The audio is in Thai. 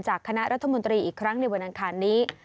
คณะรัฐมนตรีอีกครั้งในวันอังคารนี้